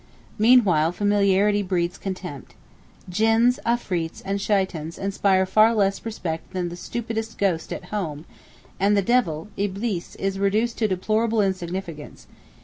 Meanwhile familiarity breeds contempt. Jinns, Afreets and Shaitans inspire far less respect than the stupidest ghost at home, and the devil (Iblees) is reduced to deplorable insignificance.